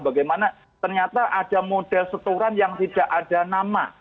bagaimana ternyata ada model setoran yang tidak ada nama